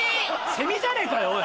セミじゃねえかよおい。